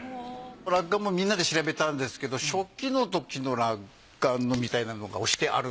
落款もみんなで調べたんですけど初期のときの落款のみたいなのが押してある。